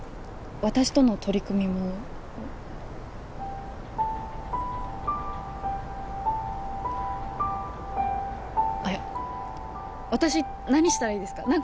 私との取り組みもいや私何したらいいですか？